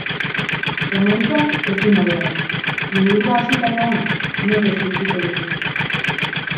Emaitza ezin hobea da: liburua hasitakoan, nekez utziko dugu.